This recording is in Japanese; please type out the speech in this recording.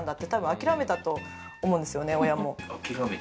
諦めたと思うんですね、親も。